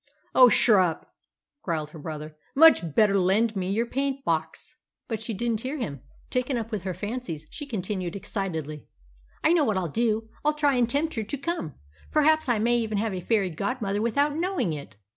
"Oh, shurrup!" growled her brother. "Much better lend me your paint box." But she didn't hear him; taken up with her fancies she continued excitedly "I know what I'll do. I'll try and tempt her to come. Perhaps I may even have a fairy godmother without knowing it!"